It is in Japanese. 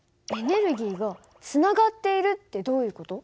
エネルギーがつながっているってどういう事？